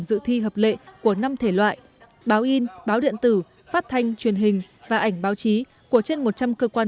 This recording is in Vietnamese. dự thi hợp lệ của năm thể loại báo in báo điện tử phát thanh truyền hình và ảnh báo chí của trên một trăm linh cơ quan